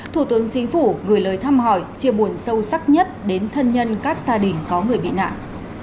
thủ tướng chính phủ gửi lời thăm hỏi chia buồn sâu sắc nhất đến thân nhân các gia đình có người bị nạn